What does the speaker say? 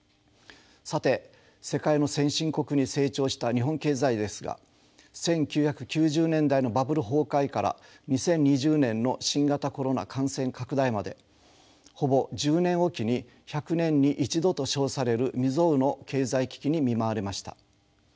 さて世界の先進国に成長した日本経済ですが１９９０年代のバブル崩壊から２０２０年の新型コロナ感染拡大までほぼ１０年おきに１００年に一度と称される未曽有の経済危機に見舞われました。